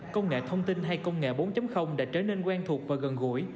công nghệ thông tin hay công nghệ bốn đã trở nên quen thuộc và gần gũi